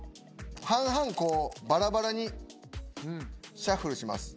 半々こうバラバラにシャッフルします。